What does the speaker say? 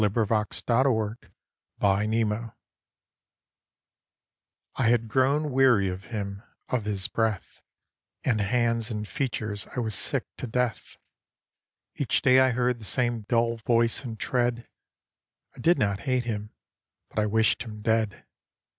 THOU SHALT NOT KILL I had grown weary of him; of his breath And hands and features I was sick to death. Each day I heard the same dull voice and tread; I did not hate him: but I wished him dead.